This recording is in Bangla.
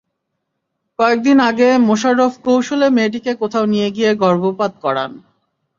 কয়েক দিন আগে মোশারফ কৌশলে মেয়েটিকে কোথাও নিয়ে গিয়ে গর্ভপাত করান।